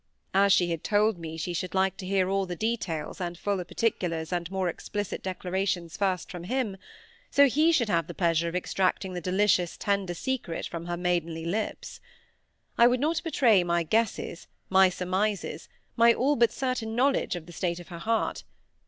As she had told me she should like to hear all the details and fuller particulars and more explicit declarations first from him, so he should have the pleasure of extracting the delicious tender secret from her maidenly lips. I would not betray my guesses, my surmises, my all but certain knowledge of the state of her heart.